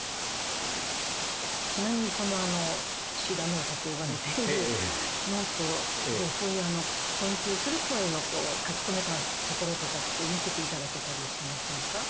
ちなみに岸田ノートと呼ばれているノートに困窮する声を書き留めたところって見せていただけたりしませんか？